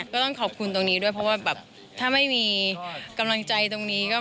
ก็ต้องขอบคุณตรงนี้ด้วยเพราะว่าแบบถ้าไม่มีกำลังใจตรงนี้ก็